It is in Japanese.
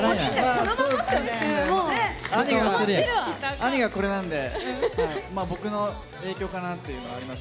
兄がこれなんで僕の影響かなというのはあります。